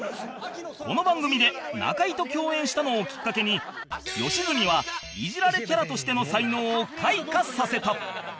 この番組で中居と共演したのをきっかけに良純はイジられキャラとしての才能を開花させた